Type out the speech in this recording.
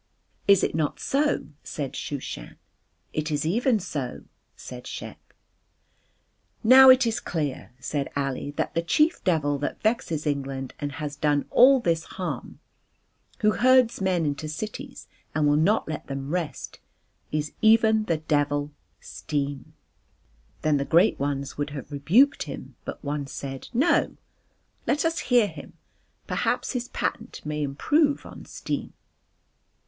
"Is it not so?" said Shooshan. "It is even so," said Shep. "Now it is clear," said Ali, "that the chief devil that vexes England and has done all this harm, who herds men into cities and will not let them rest, is even the devil Steam." Then the great ones would have rebuked him but one said: "No, let us hear him, perhaps his patent may improve on steam."